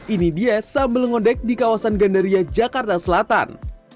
ini dia sambal ngondek di kawasan gandaria jakarta selatan